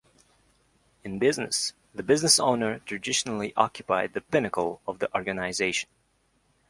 In business, the business owner traditionally occupied the pinnacle of the organization.